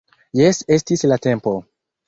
Jes, estis la tempo!